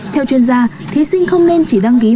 theo chuyên gia thí sinh không nên chỉ đăng ký